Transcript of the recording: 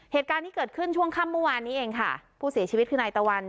เหตุการณ์ที่เกิดขึ้นช่วงค่ำเมื่อวานนี้เองค่ะผู้เสียชีวิตคือนายตะวัน